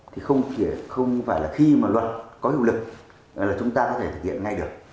thì không phải là khi mà luật có hiệu lực là chúng ta có thể thực hiện ngay được